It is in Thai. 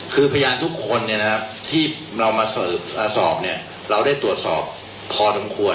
คือพยานทุกคนที่เรามาสอบเราได้ตรวจสอบพอสมควร